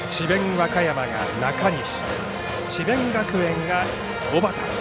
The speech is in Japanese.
和歌山が中西、智弁学園が小畠。